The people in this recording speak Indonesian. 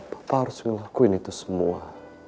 bapak harus ngelakuin itu semua